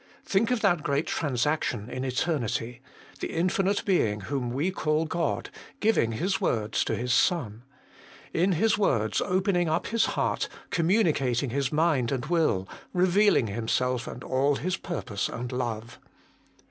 Think of that great transaction in eternity : the Infinite Being, whom we call God, giving His words to His Son ; in His words opening up His heart, communicating His mind and will, revealing Himself and all His purpose and love.